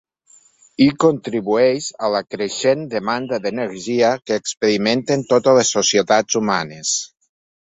Hi contribueix a la creixent demanda d'energia que experimenten totes les societats humanes.